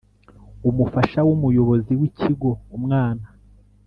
Umufasha w umuyobozi w ikigo umwana